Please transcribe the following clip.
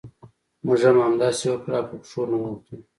موږ هم همداسې وکړل او په پښو ننوتلو.